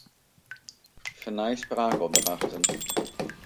Fernij spraakopdrachten.